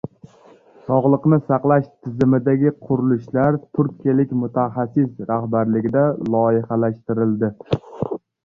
Sog‘liqni saqlash tizimidagi qurilishlar turkiyalik mutaxassis rahbarligida loyihalashtiriladi